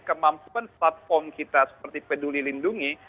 kemampuan platform kita seperti peduli lindungi